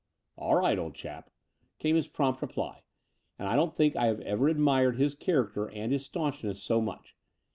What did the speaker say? '*A11 right, old chap," came his prompt reply: and I don't think I have ever admired his character and his staunchness so much.